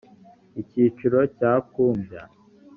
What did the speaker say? icyicaro cya kumbya